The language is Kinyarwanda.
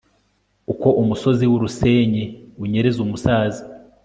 uko umusozi w'urusenyi unyereza umusaza